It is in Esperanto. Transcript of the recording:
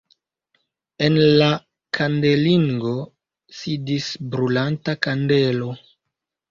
En la kandelingo sidis brulanta kandelo.